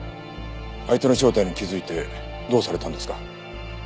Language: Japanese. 相手の正体に気づいてどうされたんですか？